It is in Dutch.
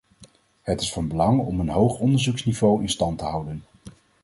Het is van belang om een hoog onderzoeksniveau in stand te houden.